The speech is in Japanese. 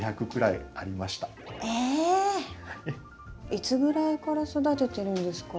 いつぐらいから育ててるんですか？